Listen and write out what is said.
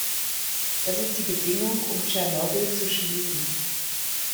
Das ist die Bedingung, um Tschernobyl zu schließen.